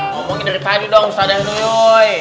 ngomongin dari tadi dong ustazah hidoyoi